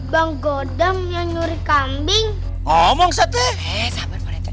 bang godam nyuri kambing omong setelah